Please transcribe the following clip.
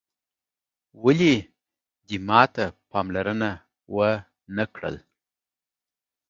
ولي دې ماته پاملرنه وه نه کړل